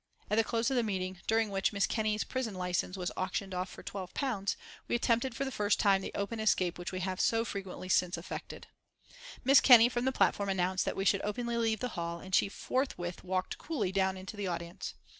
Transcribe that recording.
At the close of the meeting, during which Miss Kenney's prison licence was auctioned off for £12, we attempted for the first time the open escape which we have so frequently since effected. Miss Kenney, from the platform, announced that we should openly leave the hall, and she forthwith walked coolly down into the audience.